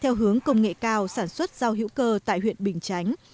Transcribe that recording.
theo hướng công nghệ cao sản xuất rau hữu cơ tại huyện bình chánh